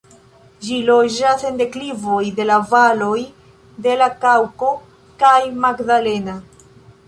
Ĝi loĝas en deklivoj de valoj de la Kaŭko kaj Magdalena.